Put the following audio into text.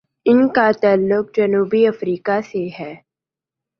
ان کا تعلق جنوبی افریقہ سے ہے۔